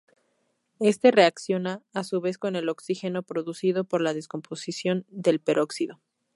Éste reacciona, a su vez con el oxígeno producido por la descomposición del peróxido.